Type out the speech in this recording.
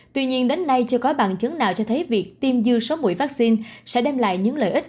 tuy nhiên đến nay chưa có bằng chứng nào cho thấy việc tiêm dư số mũi vaccine sẽ đem lại những lợi ích